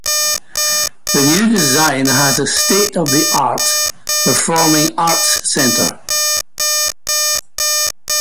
The new design has a state-of-the-art performing arts center.